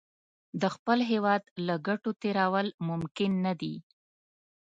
د خپل هېواد له ګټو تېرول ممکن نه دي.